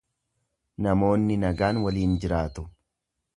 Namoonni nagaan waliin jiraatu.